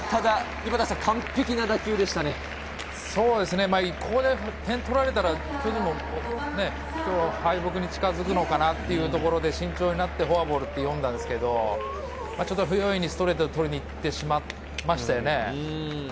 井端さん、完璧な打球でここで点を取られたら巨人は敗北に近づくのかなというところで慎重になってフォアボールと読んだんですけど、不用意にストレートで取りに行ってしまいましたよね。